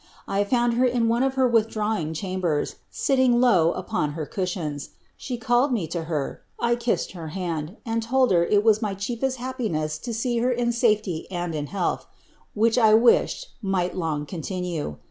I found her in one of her withdrawiag chambers, sitting low upon her cushions. She called me to her; I kissed her hand, and told her it was my ehiefesi happiness to see her in safely and in healih, which 1 wished might long continue.